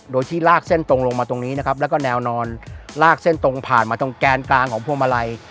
โดยที่ลากเส้นตรงลงมาตรงนี้นะครับแล้วก็แนวนอนลากเส้นตรงผ่านมาตรงแกนกลางของพวงมาลัย